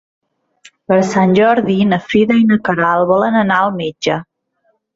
Per Sant Jordi na Frida i na Queralt volen anar al metge.